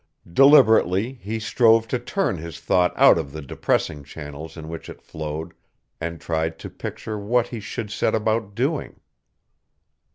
Deliberately he strove to turn his thought out of the depressing channels in which it flowed and tried to picture what he should set about doing.